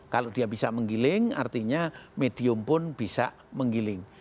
kalau dia bisa menggiling artinya medium pun bisa menggiling